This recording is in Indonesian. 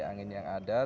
angin yang ada ya